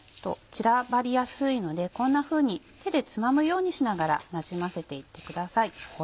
散らばりやすいのでこんなふうに手でつまむようにしながらなじませていってください。